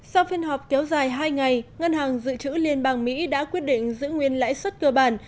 sau phiên họp kéo dài hai ngày ngân hàng dự trữ liên bang mỹ đã quyết định giữ nguyên lãi suất cơ bản